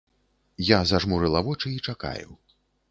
Я зажмурыла вочы і чакаю.